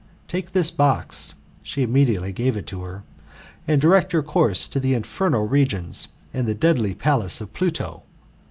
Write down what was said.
Take this box (she immediately gave it to her), and direct your course to the infernal regions and the deadly palace of Pluto.